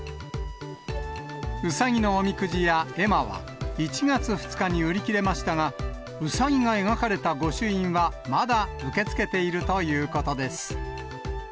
うさぎのおみくじや絵馬は、１月２日に売り切れましたが、うさぎが描かれた御朱印はまだ受け付けているということです。